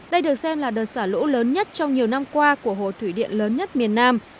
đây được xem là đợt xả lũ lớn nhất trong nhiều năm qua của hồ thủy điện lớn nhất miền nam